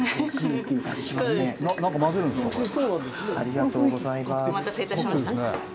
ありがとうございます。